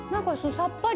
さっぱり。